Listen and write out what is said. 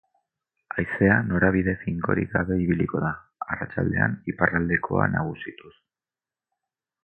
Haizea norabide finkorik gabe ibiliko da, arratsaldean iparraldekoa nagusituz.